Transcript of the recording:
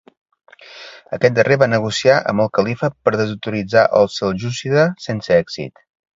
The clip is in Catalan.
Aquest darrer va negociar amb el califa per desautoritzar al seljúcida sense èxit.